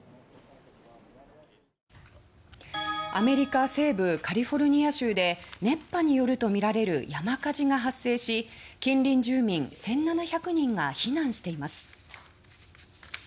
アメリカ西部カリフォルニア州で熱波によるとみられる山火事が発生し近隣住民１７００人が避難しています。